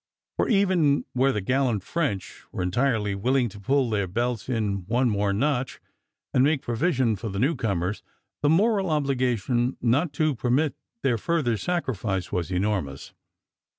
For even where the gallant French were entirely willing to pull their belts in one more notch and make provision for the newcomers, the moral obligation not to permit their further sacrifice was enormous.